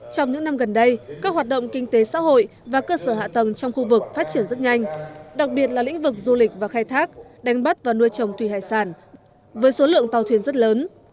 trong những năm gần đây các hoạt động kinh tế xã hội và cơ sở hạ tầng trong khu vực phát triển rất nhanh đặc biệt là lĩnh vực du lịch và khai thác đánh bắt và nuôi trồng thủy hải sản với số lượng tàu thuyền rất lớn